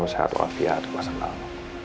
lo sehat wafiat wassalam